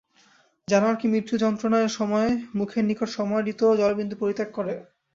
জানোয়ার কি মৃত্যুযন্ত্রণার সময় মুখের নিকট সমাহৃত জলবিন্দু পরিত্যাগ করে।